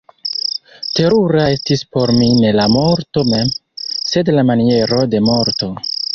Terura estis por mi ne la morto mem, sed la maniero de morto.